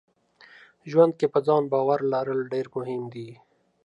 ژوند کې په ځان باور لرل ډېر مهم دي.